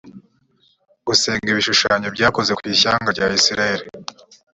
gusenga ibishushanyo byakoze ku ishyanga rya isirayeli